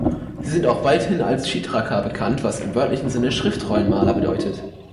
Sie sind auch weithin als Chitrakar bekannt, was im wörtlichen Sinne Schriftrollenmaler bedeutet.